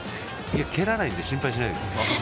蹴らないので心配しないでください。